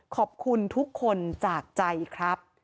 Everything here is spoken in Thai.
ขอบคุณทุกคนจากใจครับ